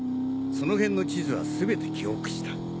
その辺の地図は全て記憶した。